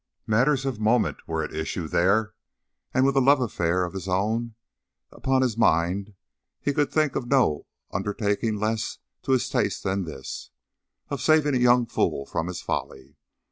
Matters of moment were at issue there, and with a love affair of his own upon his mind he could think of no undertaking less to his taste than this: of saving a young fool from his folly.